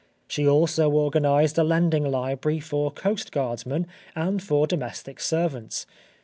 She also organised a lending library for coastguardsmen and for domestic servants.